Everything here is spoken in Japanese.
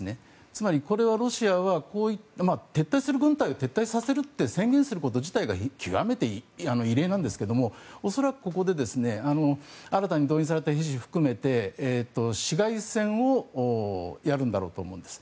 つまりロシアは撤退する軍隊は撤退させると宣言すること自体が極めて異例なんですけど恐らくここで新たに動員された兵士含めて市街戦をやるんだろうと思うんです。